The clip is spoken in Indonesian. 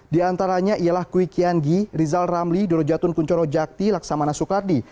di antaranya ialah kwi kian gi rizal ramli doro jatun kunchoro jakti laksamana soekardi